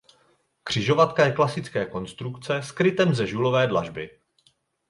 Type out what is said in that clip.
Křižovatka je klasické konstrukce s krytem ze žulové dlažby.